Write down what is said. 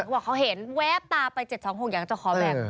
ว่าเขาเห็นแวบตาไป๗๒๖อย่างเจ้าขอแบบ